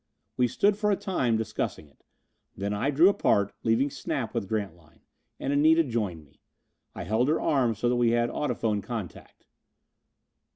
We stood for a time discussing it. Then I drew apart, leaving Snap with Grantline. And Anita joined me. I held her arm so that we had audiphone contact.